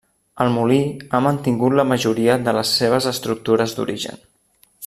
El molí ha mantingut la majoria de les seves estructures d'origen.